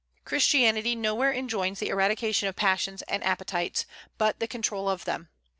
Christianity nowhere enjoins the eradication of passions and appetites, but the control of them.